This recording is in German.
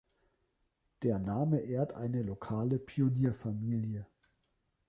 Der Name ehrt eine lokale Pionierfamilie.